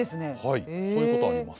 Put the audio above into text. はいそういうことあります。